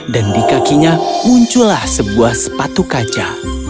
dan di kakinya muncullah sebuah sepatu kaca